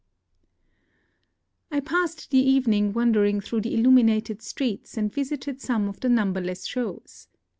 I passed the evening wandering through the illuminated streets, and visited some of the numberless shows.